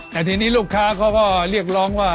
แต่ทีนี้ลูกค้าเขาก็เรียกร้องว่า